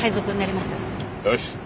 よし。